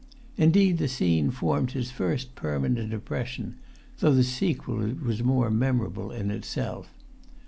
Indeed, the scene formed his first permanent impression, though the sequel was more memorable in itself.